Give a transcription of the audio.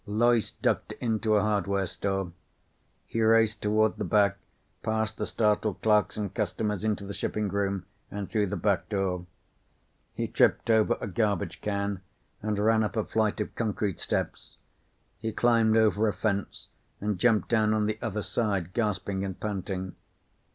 Loyce ducked into a hardware store. He raced toward the back, past the startled clerks and customers, into the shipping room and through the back door. He tripped over a garbage can and ran up a flight of concrete steps. He climbed over a fence and jumped down on the other side, gasping and panting.